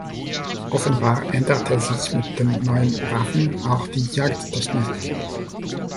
Offenbar änderte sich mit den neuen Waffen auch die Jagdtechnik.